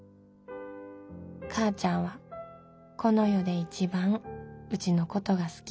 かーちゃんはこの世で一番うちのことが好き。